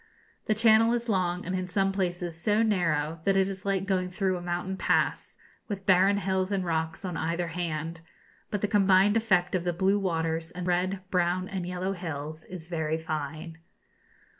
The channel is long, and in some places so narrow that it is like going through a mountain pass, with barren hills and rocks on either hand; but the combined effect of the blue waters, and red, brown, and yellow hills, is very fine.